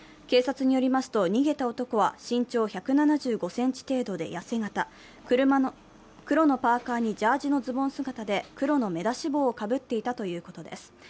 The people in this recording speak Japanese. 警察によりますと逃げた男は身長１７５ｃｍ程度で痩せ形、黒のパーカにジャージーのズボン姿で、黒の目出し帽をかぶっていたということです。